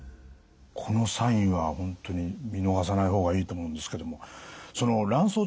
このサインは本当に見逃さない方がいいと思うんですけどもその卵巣